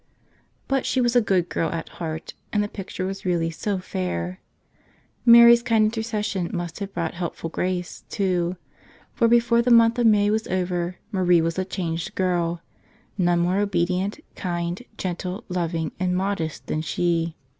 But she was a good girl at heart, and the picture was really so fair. Mary's kind intercession must have brought helpful grace, too; for before the month of May was over Marie was a changed girl; none more obedient, kind, gentle, loving, and modest than she.